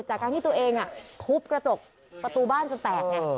จากการที่ตัวเองทุบกระจกประตูบ้านจนแตกไง